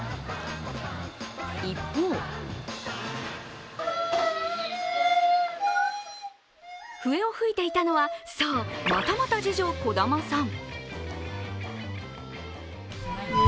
一方笛を吹いていたのはそう、またまた次女・小珠さん。